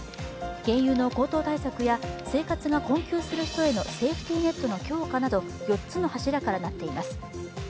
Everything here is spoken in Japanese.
原油の高騰対策や生活が困窮する人へのセーフティネットの強化など４つの柱からなっています。